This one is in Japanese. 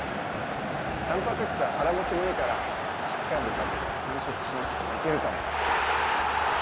たんぱく質は腹もちもいいからしっかり食べたら間食しなくてもいけるかも。